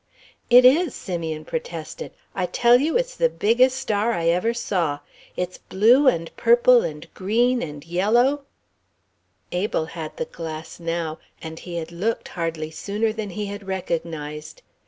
"It is," Simeon protested; "I tell you, it's the biggest star I ever saw. It's blue and purple and green and yellow " Abel had the glass now, and he had looked hardly sooner than he had recognized.